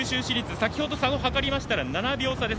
先ほど差を計りましたら７秒差です。